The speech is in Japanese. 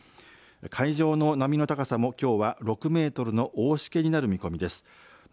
海上の波の高さも、きょうは６メートルの大しけになる見込みです。